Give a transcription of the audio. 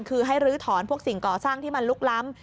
คือให้ลื้อถอนพวกสิ่งก่อสร้างที่มันลุกล้ำ